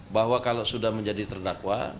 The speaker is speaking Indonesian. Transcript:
bahwa kalau sudah menjadi terdakwa